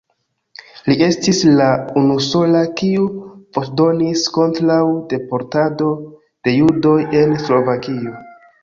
Li estis la unusola, kiu voĉdonis kontraŭ deportado de judoj en Slovakio.